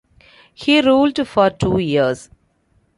He ruled for two years.